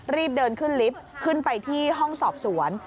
รีบเดินขึ้นลิฟต์ขึ้นไปที่ห้องสอบสวน